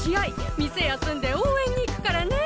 店休んで応援に行くからねぇ。